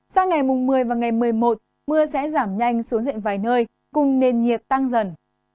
sang ngày mùng một mươi và ngày một mươi một mưa sẽ giảm nhanh xuống diện vài nơi cùng nền nhiệt tăng dần